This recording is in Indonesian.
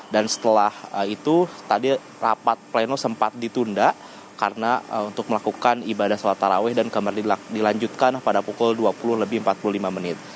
dan setelah itu tadi rapat pleno sempat ditunda karena untuk melakukan ibadah suara taraweh dan kemarin dilanjutkan pada pukul dua puluh lebih empat puluh lima menit